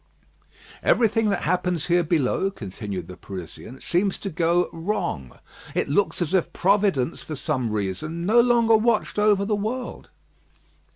"Everything that happens here below," continued the Parisian, "seems to go wrong. It looks as if Providence, for some reason, no longer watched over the world."